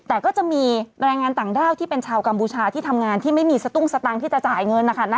แต่ก็จะมีแรงงานต่างด้าวที่เป็นชาวกัมพูชาที่ทำงานที่ไม่มีสตุ้งสตังค์ที่จะจ่ายเงินนะคะ